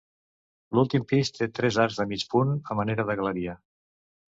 L'últim pis té tres arcs de mig punt a manera de galeria.